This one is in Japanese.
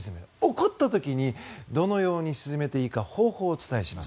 怒った時にどのように鎮めていいか方法をお伝えします。